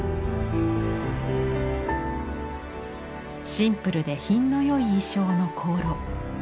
シンプルで品の良い意匠の香炉。